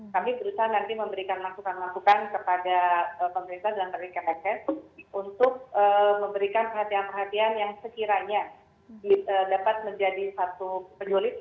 kami berusaha nanti memberikan langsungan langsungan kepada pemerintah dan pemerintah pemerintah untuk memberikan perhatian perhatian yang sekiranya dapat menjadi satu penyulit